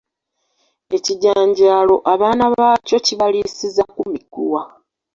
Ekijanjaalo abaana baakyo kibaliisiza ku miguwa.